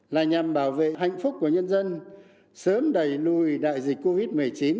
là nhằm bảo vệ hạnh phúc của nhân dân sớm đẩy lùi đại dịch covid một mươi chín